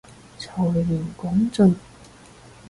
財源廣進